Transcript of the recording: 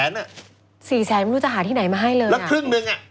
๔๐๐๐๐๐นี่มันรู้จะหาที่ไหนมาให้เลยอ่ะแล้วครึ่งหนึ่งอ่ะ